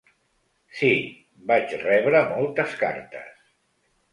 Sí, vaig rebre moltes cartes.